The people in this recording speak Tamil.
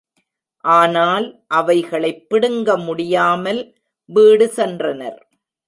ஆனால் அவைகளைப் பிடுங்க முடியாமல் வீடு சென்றனர்.